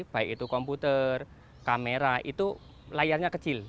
baik itu komputer kamera itu layarnya kecil